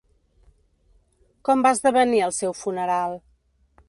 Com va esdevenir el seu funeral?